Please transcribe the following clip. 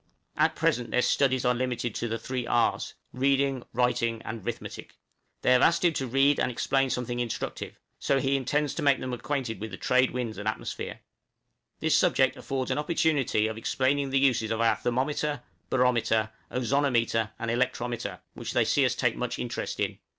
At present their studies are limited to the three R's reading, 'riting, and 'rithmetic. They have asked him to read and explain something instructive, so he intends to make them acquainted with the trade winds and atmosphere. This subject affords an opportunity of explaining the uses of our thermometer, barometer, ozonometer, and electrometer, which they see us take much interest in.